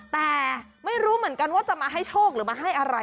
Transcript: แต่ไม่รู้เหมือนกันว่าจะมาให้โชคหรือมาให้อะไร